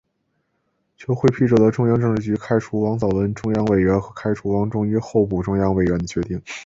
全会批准了中央政治局开除王藻文中央委员和开除王仲一候补中央委员的决定。